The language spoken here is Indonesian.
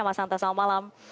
mas anta selamat malam